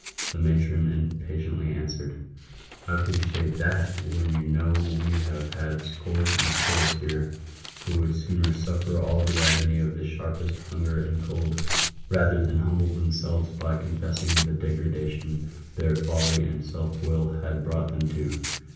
The matron impatiently answered, " How can you say that, when you know we have had scores and scores here, who would sooner suffer all the agony of the sharpest hunger and cold, rather than humble themselves by confessing the degradation their folly and self will had brought them to